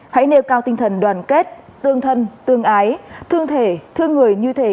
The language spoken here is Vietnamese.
hãy nêu cao tinh thần đoàn kết tương thân tương ái thương thể thương người như thể